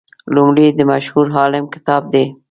لومړی د مشهور عالم کتاب دی.